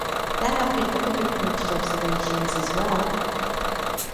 There have been other reported observations as well.